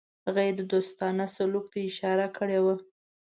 غیردوستانه سلوک ته اشاره کړې وه.